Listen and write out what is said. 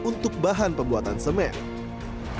untuk bahan pembuatan semen